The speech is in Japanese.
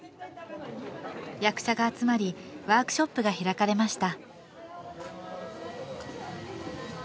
役者が集まりワークショップが開かれました